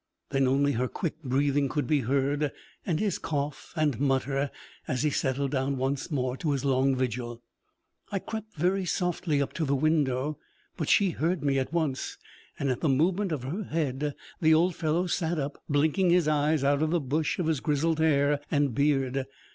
Then only her quick breathing could be heard, and his cough and mutter, as he settled down once more to his long vigil. I crept very softly up to the window, but she heard me at once; and at the movement of her head the old fellow sat up, blinking his eyes out of the bush of his grizzled hair and beard.